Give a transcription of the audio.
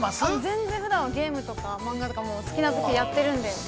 ◆全然ふだんはゲームとか、漫画とか、好きなことをやってるんで。